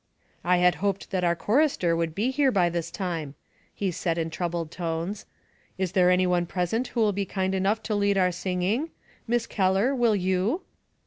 " I had hoped that our chorister would be here by this time," he said, in troubled tones. "Is there any one present who will be kind enough to lead our singing ? Miss Keller, will you